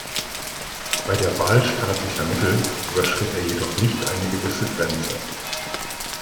Bei der Wahl staatlicher Mittel überschritt er jedoch nicht eine gewisse Grenze.